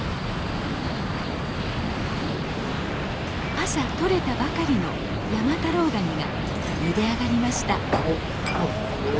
朝とれたばかりの山太郎ガニがゆで上がりましたお。